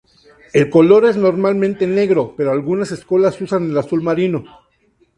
El color es normalmente negro, pero algunas escuelas usan azul marino.